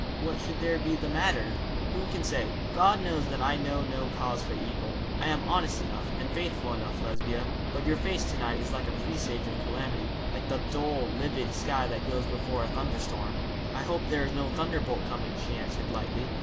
'What should there be the matter?' 'Who can say? God knows that I know no cause for evil. I am honest enough, and faithful enough, Lesbia. But your face to night is like a presage of calamity, like the dull, livid sky that goes before a thunderstorm.' 'I hope there is no thunderbolt coming,' she answered, lightly.